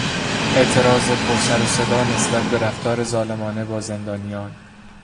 اعتراض پر سر و صدا نسبت به رفتار ظالمانه با زندانیان